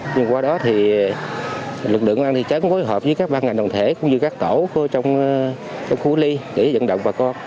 nhưng qua đó thì lực lượng an ninh trật có hợp với các ban ngành đồng thể cũng như các tổ trong khu ly để dẫn động bà con